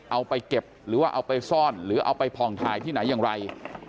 เอาไปเก็บหรือว่าเอาไปซ่อนหรือเอาไปผ่องถ่ายที่ไหนอย่างไร